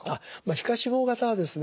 皮下脂肪型はですね